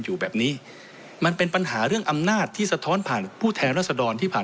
อยู่แบบนี้มันเป็นปัญหาเรื่องอำนาจที่สะท้อนผ่านผู้แทนรัศดรที่ผ่าน